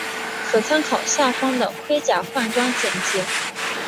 可参考下方的盔甲换装简介。